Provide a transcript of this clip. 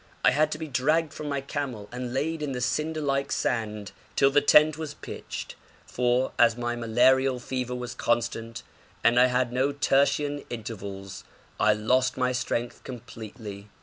I had to be dragged from my camel, and laid in the cinder like sand till the tent was pitched, for, as my malarial fever was constant, and I had no tertian intervals, I lost my strength completely.